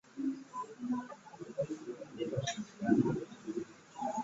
Kabaka agguddewo empaka z'emipiira gy'ebika by'abaganda e Buddu